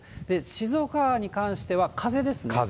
静岡に関しては、風ですね。